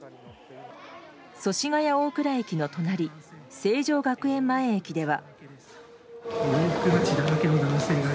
祖師ヶ谷大蔵駅の隣成城学園前駅では。